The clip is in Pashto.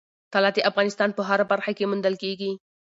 طلا د افغانستان په هره برخه کې موندل کېږي.